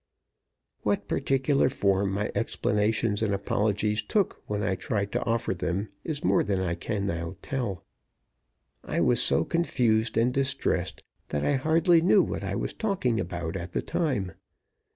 What particular form my explanations and apologies took when I tried to offer them is more than I can tell now. I was so confused and distressed that I hardly knew what I was talking about at the time.